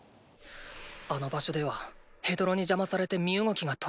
あの場所ではヘドロに邪魔されて身動きが取れない。